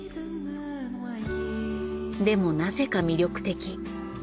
でもなぜか魅力的。